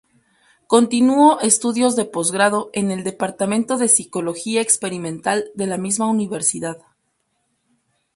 Continuó estudios de posgrado en el Departamento de psicología experimental de la misma Universidad.